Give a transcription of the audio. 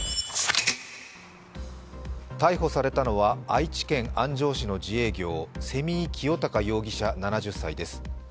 逮捕されたのは愛知県安城市の自営業・瀬見井清貴容疑者７０歳です